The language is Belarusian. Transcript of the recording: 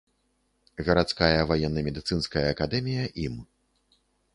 Гарадская ваенна-медыцынская акадэмія ім.